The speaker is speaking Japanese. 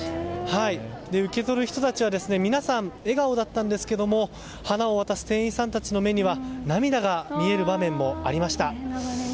受け取る人たちは皆さん笑顔だったんですが花を渡す店員さんたちの目には涙が見られる場面もありました。